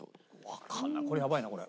わかんないやばいなこれ。